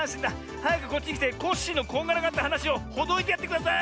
はやくこっちきてコッシーのこんがらがったはなしをほどいてやってください！